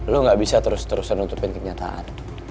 lo gak bisa terus terusan nutupin kenyataan